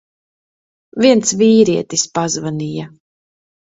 Viens vīrietis pazvanīja.